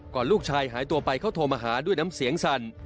ลูกชายหายตัวไปเขาโทรมาหาด้วยน้ำเสียงสั่น